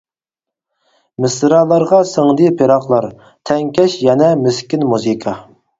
مىسرالارغا سىڭدى پىراقلار، تەڭكەش يەنە مىسكىن مۇزىكا.